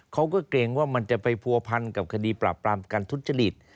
เกรงว่ามันจะไปผัวพันกับคดีปราบปรามการทุจริต